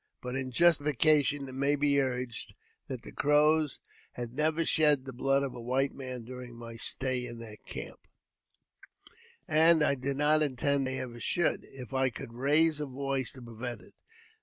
But, in justification, it may be urged that the Crows had never shed the blood of the white man during my stay in their camp^ JAMES P. BECKWOURTH. 171 and I did not intend they ever should, if I could raise a voice to prevent it.